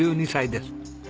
５２歳です。